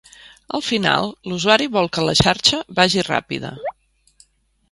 Al final, l’usuari vol que la xarxa vagi ràpida.